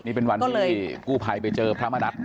นี่เป็นวันที่กู้ภัยไปเจอพระมณัฐ